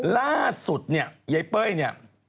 ล่าสุดเนี่ยยายเป้ยเนี่ย